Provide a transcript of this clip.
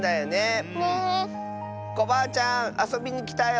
コバアちゃんあそびにきたよ！